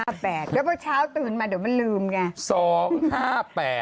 แล้วเมื่อเช้าตื่นมาเดี๋ยวมันลืมไง